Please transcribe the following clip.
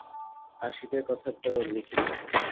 আর শীতের কথা তো লিখেছি।